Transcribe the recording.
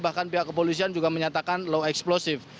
bahkan pihak kepolisian juga menyatakan low explosive